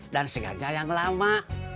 dan segernya yang lama